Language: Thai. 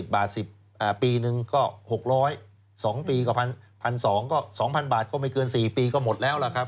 ๑๐ปีนึงก็๖๐๒ปีก็๑๒๐๐ก็๒๐๐บาทก็ไม่เกิน๔ปีก็หมดแล้วล่ะครับ